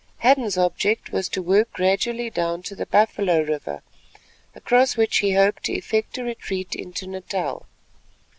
Hadden's object was to work gradually down to the Buffalo River across which he hoped to effect a retreat into Natal.